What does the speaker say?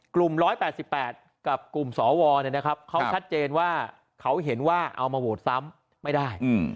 ๑๘๘กับกลุ่มสวเขาชัดเจนว่าเขาเห็นว่าเอามาโหวตซ้ำไม่ได้